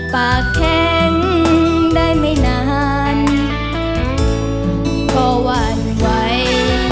ปากแข็งได้ไม่นานก็หวั่นไหว